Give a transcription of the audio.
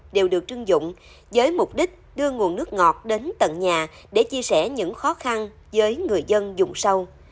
đều được trưng dụng với mục đích đưa nguồn nước ngọt đến tận nhà để chia sẻ những khó khăn với người dân dùng sâu